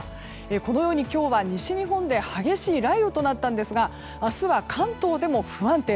このように今日は西日本で激しい雷雨となったんですが明日は関東でも不安定。